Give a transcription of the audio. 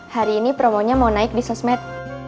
hari ini promonya mau naik di sosmed